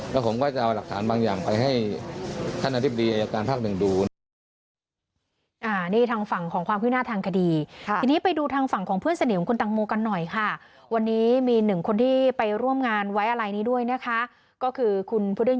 แล้วผมก็จะเอาหลักฐานบางอย่างไปให้ท่านอธิบดีอายการภาคหนึ่งดูนะครับ